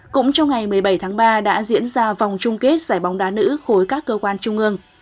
cũng trong ngày một mươi bảy tháng ba đã diễn ra vòng chung kết giải bóng đá nữ khối các cơ quan trung ương